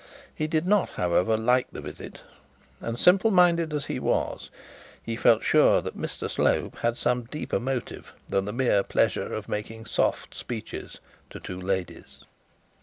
He did not, however, like the visit, and simple minded as he was, he felt sure that Mr Slope had some deeper motive than the mere pleasure of making soft speeches to two ladies.